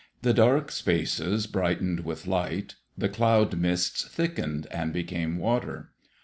The dark spaces brightened with light. The cloud mists thickened and became water.